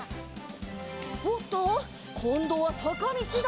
おっとこんどはさかみちだ。